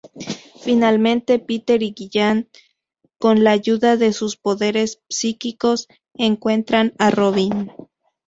Finalmente Peter y Gillian, con la ayuda de sus poderes psíquicos, encuentran a Robin.